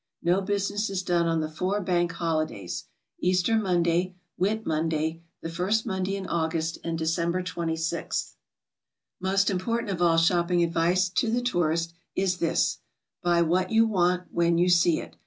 No business is done on the four Bank Holidays, — Easter Monday, Whit Monday, the firs't Monday in August, and December 26. Most important of all shopping advice to the tourist is this: Buy what you want when you see it.